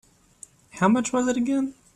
How much was it again?